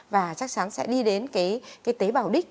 và chắc chắn sẽ đi đến cái tế bào đích